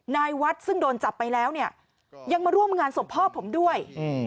นายวัดซึ่งโดนจับไปแล้วยังมาร่วมงานสมภพผมด้วย